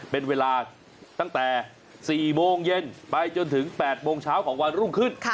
เป็นเวลาตั้งแต่๔โมงเย็นไปจนถึง๘โมงเช้าของวันรุ่งขึ้น